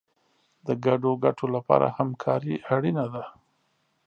د ګډو ګټو لپاره همکاري اړینه ده.